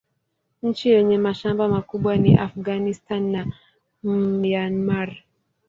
Nchi yenye mashamba makubwa ni Afghanistan na Myanmar.